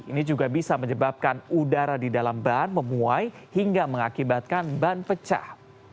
ini juga bisa menyebabkan udara di dalam ban memuai hingga mengakibatkan ban pecah